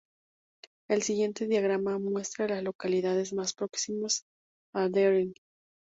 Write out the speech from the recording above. El siguiente diagrama muestra a las localidades más próximas a Deering.